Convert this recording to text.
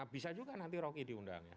bisa juga nanti rocky diundang ya